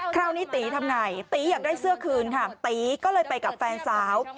คราวนี้ตีทำไงตีอยากได้เสื้อคืนค่ะตีก็เลยไปกับแฟนสาว